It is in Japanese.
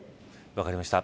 分かりました。